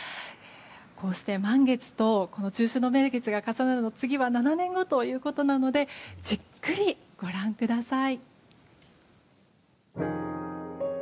こうして満月と中秋の名月が重なるのは次は７年後ということなのでじっくりご覧ください。